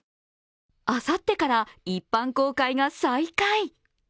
あさってから一般公開が再開。